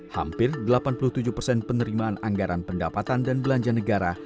hampir delapan puluh tujuh persen penerimaan anggaran pendapatan dan belanja negara